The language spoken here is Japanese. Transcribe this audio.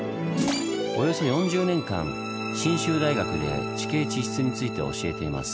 およそ４０年間信州大学で地形地質について教えています。